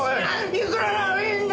いくらならいいんだ！